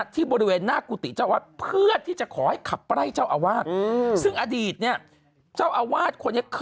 ที่บริเวณหน้ากุฎิเจ้าอาวาส